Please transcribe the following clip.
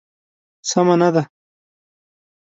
سمه نه ده.